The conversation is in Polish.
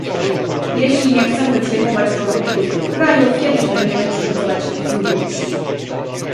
Jeśli nie chcemy przyjmować produktów tych krajów, kiedyś będziemy przyjmować ich ludność